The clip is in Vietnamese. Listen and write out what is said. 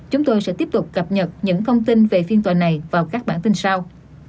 chúng tôi sẽ tiếp tục cập nhật những thông tin về phiên tòa này vào các bản tin sau